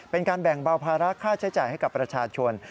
เป็นการแบ่งเบาภาระค่าใช้จ่ายให้กับประชาชน